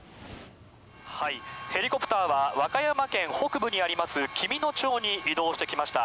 ヘリコプターは、和歌山県北部にあります、紀美野町に移動してきました。